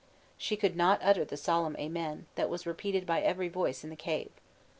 She could not utter the solemn Amen, that was repeated by every voice in the cave.